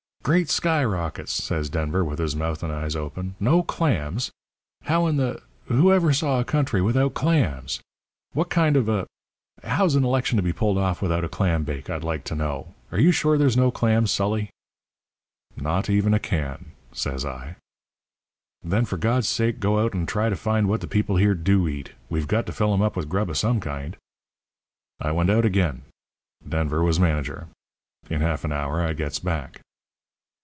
"'Great sky rockets!' says Denver, with his mouth and eyes open. 'No clams? How in the who ever saw a country without clams? What kind of a how's an election to be pulled off without a clam bake, I'd like to know? Are you sure there's no clams, Sully?' "'Not even a can,' says I. "'Then for God's sake go out and try to find what the people here do eat. We've got to fill 'em up with grub of some kind.' "I went out again. Denver was manager. In half an hour I gets back.